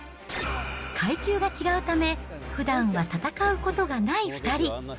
階級が違うため、ふだんは戦うことがない２人。